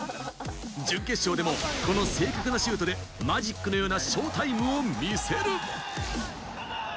準決勝でもこの正確なシュートでマジックのようなショータイムを見せる。